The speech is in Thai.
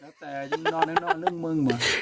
แล้วแต่นอนเรื่องนอนเรื่องมึง